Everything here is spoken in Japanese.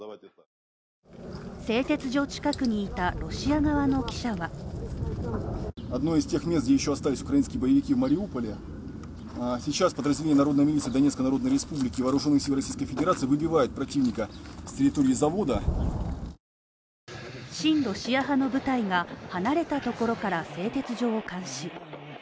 製鉄所近くにいたロシア側の記者は親ロシア派の部隊が離れたところから製鉄所を監視。